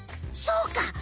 そうか！